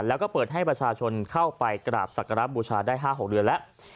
แล้วก็เปิดให้ประชาชนเข้าไปกราบสักการะบูชาได้๕๖เดือนแล้ว